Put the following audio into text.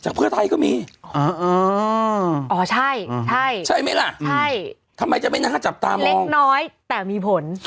จากเพื่อไทยก็มีใช่มั้ยล่ะทำไมจะไม่น่าจับตามองเล็กน้อยแต่มีผล